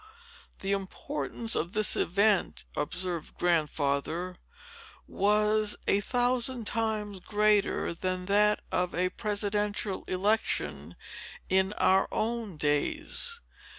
"The importance of this event," observed Grandfather, "was a thousand times greater than that of a Presidential Election, in our own days.